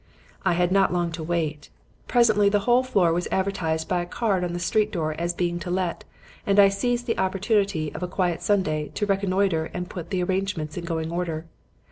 "I had not long to wait. Presently the whole floor was advertised by a card on the street door as being to let and I seized the opportunity of a quiet Sunday to reconnoiter and put the arrangements in going order.